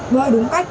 bơi đúng cách